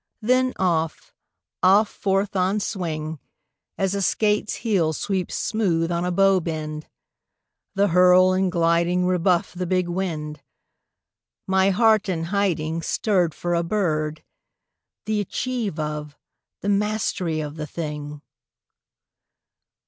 then off, off forth on swing, As a skate's heel sweeps smooth on a bow bend: the hurl and gliding Rebuffed the big wind. My heart in hiding Stirred for a bird, the achieve of, the mastery of the thing!